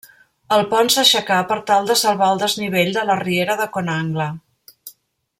El pont s'aixecà per tal de salvar el desnivell de la riera de Conangle.